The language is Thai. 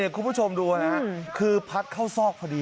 คุณผู้ชมดูนะคือพัดเข้าซอกพอดี